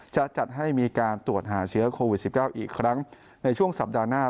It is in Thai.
จะจัดให้มีการตรวจหาเชื้อโควิด๑๙อีกครั้งในช่วงสัปดาห์หน้า